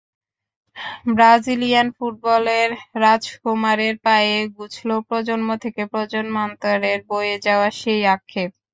Brazilian ফুটবলের রাজকুমারের পায়েই ঘুচল প্রজন্ম থেকে প্রজন্মান্তরে বয়ে যাওয়া সেই আক্ষেপ।